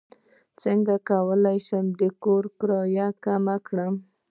څنګه کولی شم د کور کرایه کمه کړم